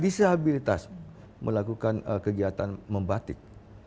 disabilitas melakukan kegiatan membatik